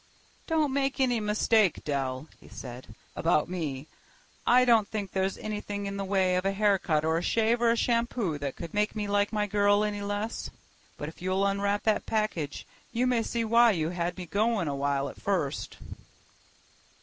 "Don't make any mistake, Dell," he said, "about me. I don't think there's anything in the way of a haircut or a shave or a shampoo that could make me like my girl any less. But if you'll unwrap that package you may see why you had me going a while at first."